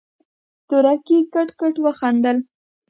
تورکي کټ کټ وخندل.